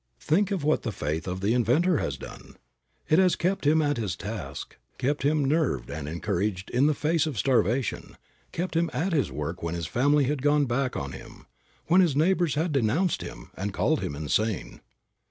Think of what the faith of the inventor has done! It has kept him at his task, kept him nerved and encouraged in the face of starvation, kept him at his work when his family had gone back on him, when his neighbors had denounced him, and called him insane.